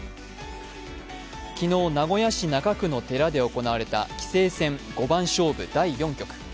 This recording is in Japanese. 昨日、名古屋市中区の寺で行われた棋聖戦五番勝負第４局。